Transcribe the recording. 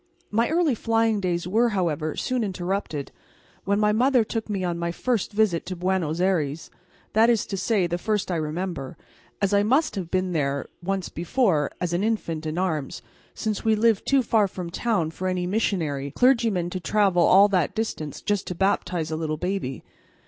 My early flying days were, however, soon interrupted, when my mother took me on my first visit to Buenos Ayres; that is to say, the first I remember, as I must have been taken there once before as an infant in arms, since we lived too far from town for any missionary clergyman to travel all that distance just to baptize a little baby.